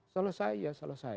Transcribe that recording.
selesai ya selesai